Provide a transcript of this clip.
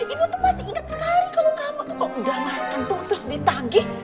ibu tuh pasti inget sekali kalau kamu tuh kalau udah makan tuh terus ditagih